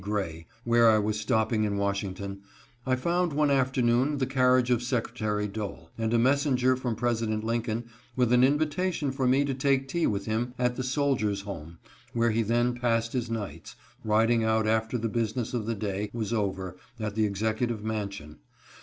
Gray, where I was stopping in Washings ton, I found one afternoon the carriage of Secretary Dole, and a messenger from President Lincoln with an invita tion for me to take tea with him at the Soldiers' Home, where he then passed his nights, riding out after the business of the day was over at the Executive Mansion.